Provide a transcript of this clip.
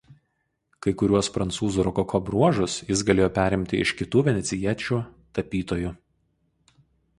Kai kuriuos prancūzų rokoko bruožus jis galėjo perimti iš kitų venecijiečių tapytojų.